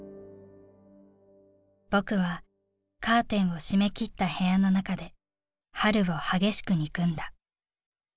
「僕はカーテンを閉めきった部屋の中で春を激しく憎んだ。